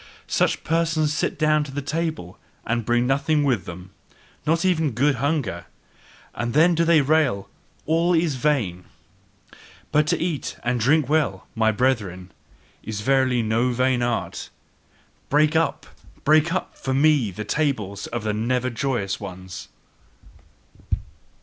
Such persons sit down to the table and bring nothing with them, not even good hunger: and then do they rail: "All is vain!" But to eat and drink well, my brethren, is verily no vain art! Break up, break up for me the tables of the never joyous ones!